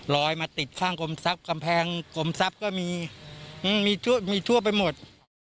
ลอยมาติดข้างกรมทรัพย์กำแพงกลมทรัพย์ก็มีมีทั่วไปหมด